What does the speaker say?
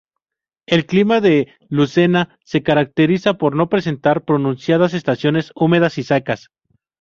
El clima de Lucena se caracteriza por no presentar pronunciadas estaciones húmedas y secas.